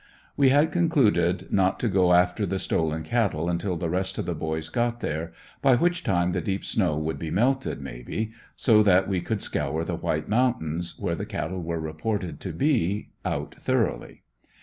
We had concluded not to go after the stolen cattle until the rest of the boys got there, by which time the deep snow would be melted, maybe, so that we could scour the White Mountains, where the cattle were reported to be, out thoroughly.